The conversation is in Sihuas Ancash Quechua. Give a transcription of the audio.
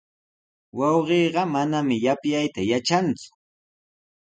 Wawqiiqa manami yapyayta yatranku.